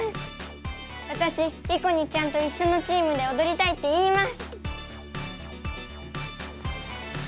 わたしリコにちゃんといっしょのチームでおどりたいって言います！